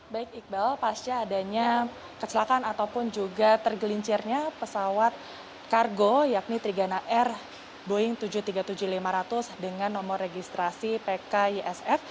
baik iqbal pasca adanya kecelakaan ataupun juga tergelincirnya pesawat kargo yakni trigana air boeing tujuh ratus tiga puluh tujuh lima ratus dengan nomor registrasi pkisf